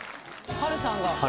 波瑠さん